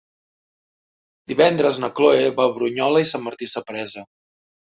Divendres na Chloé va a Brunyola i Sant Martí Sapresa.